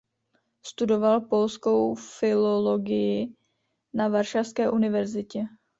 Studoval polskou filologii na Varšavské univerzitě.